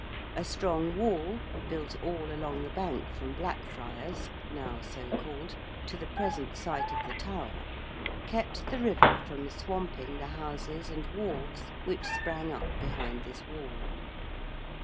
A strong wall built all along the bank from Blackfriars (now so called) to the present site of the Tower kept the river from swamping the houses and wharves which sprang up behind this wall.